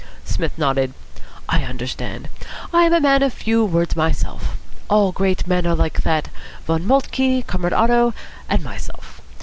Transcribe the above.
Psmith nodded. "I understand. I am a man of few words myself. All great men are like that. Von Moltke, Comrade Otto, and myself.